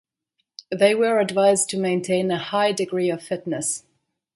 They were advised to maintain a high degree of fitness.